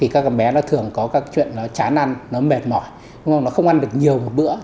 các em bé thường có chuyện chán ăn mệt mỏi không ăn được nhiều một bữa